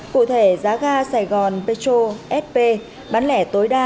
cụ thể giá ga sài gòn petro sp bán lẻ tối đa